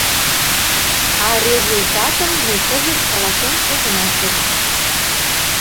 А результатым ме кызыт каласен огына керт.